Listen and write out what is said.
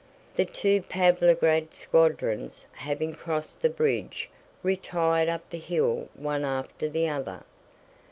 The two Pávlograd squadrons, having crossed the bridge, retired up the hill one after the other.